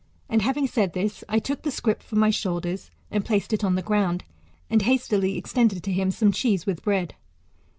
And having said this, I took the scrip from my shoulders and placed it on the ground, and hastily extended to him some cheese with bread.